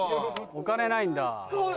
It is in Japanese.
お金ないんだ。